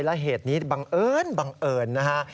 และเหตุนี้บังเอิญบังเอิญนะฮะ